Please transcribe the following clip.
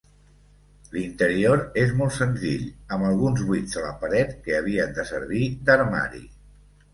L'interior és molt senzill, amb alguns buits a la paret que havien de servir d'armari.